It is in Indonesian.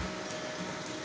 mereka bisa membeli gudeg